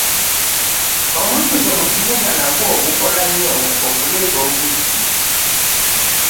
Omujjuzo mu kibuga nagwo gukola nnyo okuleeta obubbi.